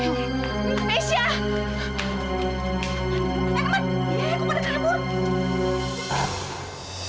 nek men nek aku pada kabur